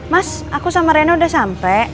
mas aku sama rena udah sampe